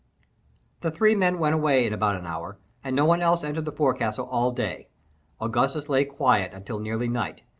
The three men went away in about an hour, and no one else entered the forecastle all day. Augustus lay quiet until nearly night.